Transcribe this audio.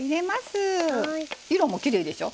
色もきれいでしょう。